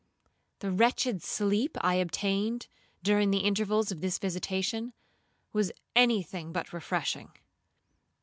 The wretched sleep I obtained, during the intervals of this visitation, was any thing but refreshing.